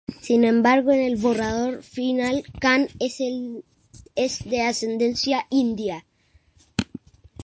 Sin embargo, en el borrador final Khan es de ascendencia india.